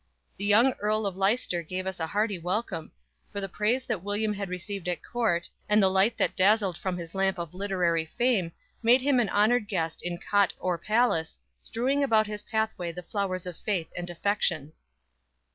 The young Earl of Leicester gave us a hearty welcome; for the praise that William had received at court and the light that dazzled from his lamp of literary fame made him an honored guest in cot or palace, strewing about his pathway the flowers of faith and affection.